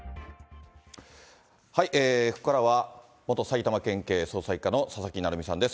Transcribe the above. ここからは、元埼玉県警捜査１課の佐々木成三さんです。